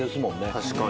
確かに。